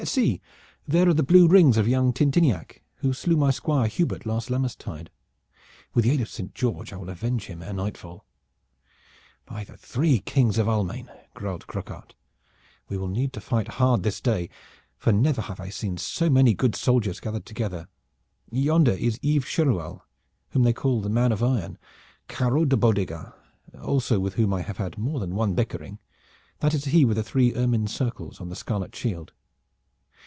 See, there are the blue rings of young Tintiniac, who slew my Squire Hubert last Lammastide. With the aid of Saint George I will avenge him ere nightfall." "By the three kings of Almain," growled Croquart, "we will need to fight hard this day, for never have I seen so many good soldiers gathered together. Yonder is Yves Cheruel, whom they call the man of iron, Caro de Bodegat also with whom I have had more than one bickering that is he with the three ermine circles on the scarlet shield.